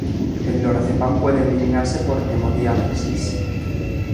El lorazepam puede eliminarse por hemodiálisis.